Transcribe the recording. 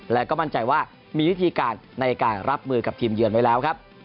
และก็มั่นใจว่ามีวิธีการในการรับมือกับทีมเยือนไว้แล้วครับ